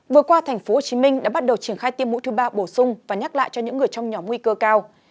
vừa qua thành phố hồ chí minh đã bắt đầu triển khai tiêm mũi thứ ba bổ sung và nhắc lại cho những người trong nhóm nguy cơ cao